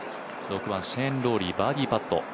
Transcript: ４番シェーン・ローリーバーディーパット